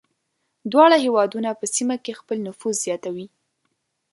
دواړه هېوادونه په سیمه کې خپل نفوذ زیاتوي.